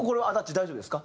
大丈夫ですか？